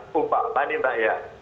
bapak bani mbak ya